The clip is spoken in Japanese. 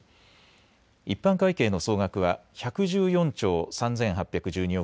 一般会計の総額は１１４兆３８１２億